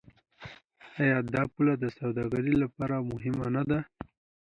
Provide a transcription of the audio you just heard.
آیا دا پوله د سوداګرۍ لپاره مهمه نه ده؟